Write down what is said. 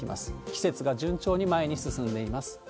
季節が順調に前に進んでいます。